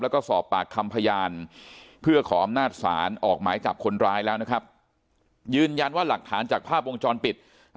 แล้วก็สอบปากคำพยานเพื่อขออำนาจศาลออกหมายจับคนร้ายแล้วนะครับยืนยันว่าหลักฐานจากภาพวงจรปิด